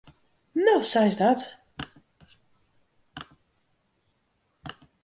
No, sa is dat.